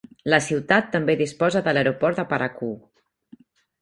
La ciutat també disposa de l'aeroport de Parakou.